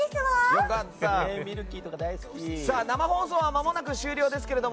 生放送は間もなく終了ですけども。